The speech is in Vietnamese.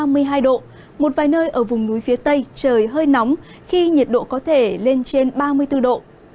một vài nơi ở vùng núi phía tây trời hơi nóng khi nhiệt độ có thể lên trên ba mươi bốn độ